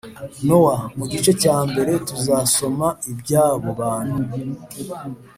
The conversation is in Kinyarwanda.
nowa. mu gice cya mbere tuzasoma iby’abo bantu